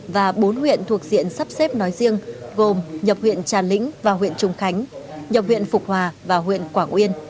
và bốn huyện thuộc diện sắp xếp nói riêng gồm nhập huyện trà lĩnh và huyện trùng khánh nhập viện phục hòa và huyện quảng uyên